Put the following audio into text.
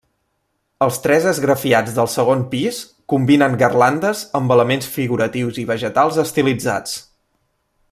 Els tres esgrafiats del segon pis combinen garlandes amb elements figuratius i vegetals estilitzats.